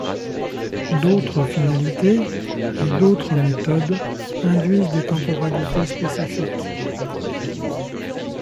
D'autres finalités et d'autres méthodes induisent des temporalités spécifiques.